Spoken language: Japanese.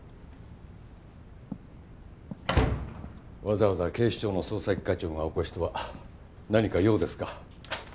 わざわざ警視庁の捜査一課長がお越しとは何か用ですか？